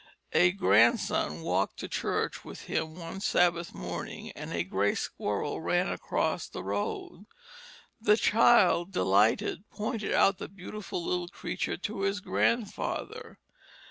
A grandson walked to church with him one Sabbath morning and a gray squirrel ran across the road. The child, delighted, pointed out the beautiful little creature to his grandfather.